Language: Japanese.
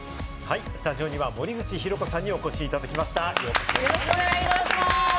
スタジオには森口博子さんにお越しいただきました。